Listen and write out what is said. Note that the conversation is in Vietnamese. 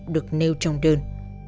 được nêu trong đơn